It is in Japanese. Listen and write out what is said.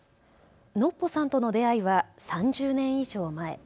ノッポさんとの出会いは３０年以上前。